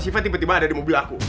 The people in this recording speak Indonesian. sifat tiba tiba ada di mobil aku